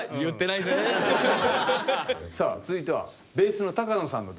さあ続いてはベースの高野さんの動画です。